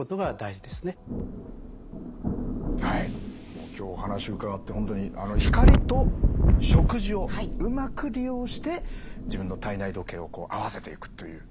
もう今日お話伺って本当に光と食事をうまく利用して自分の体内時計を合わせていくという。